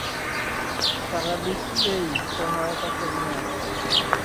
সাড়া বিশ্বেই সহায়তা কর্মী আছেন।